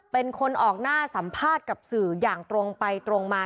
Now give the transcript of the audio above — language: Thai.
เป็นคนออกหน้าสัมภาษณ์กับสื่ออย่างตรงไปตรงมา